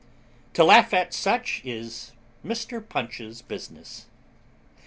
To laugh at such is MR. PUNCH'S business.